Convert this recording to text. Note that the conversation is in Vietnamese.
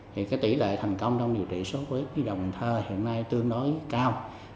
thì tỷ lệ thành công trong điều trị sốt huyết với cần thơ hiện nay tương đối cao